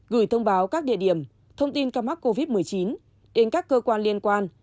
gửi thông báo các địa điểm thông tin ca mắc covid một mươi chín đến các cơ quan liên quan